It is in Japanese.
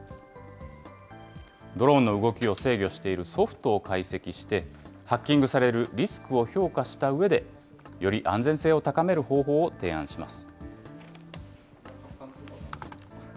ドローンの動きを制御しているソフトを解析して、ハッキングされるリスクを評価したうえで、より安全性を高める方法を提案します。